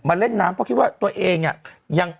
เล่นน้ำเพราะคิดว่าตัวเองอ่ะยัง